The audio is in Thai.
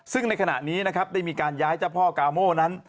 ซึ่งในขณะนี้นะครับได้มีการย้ายเจ้าพ่อกาโม่นั้น